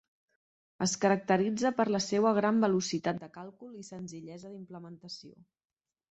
Es caracteritza per la seua gran velocitat de càlcul i senzillesa d'implementació.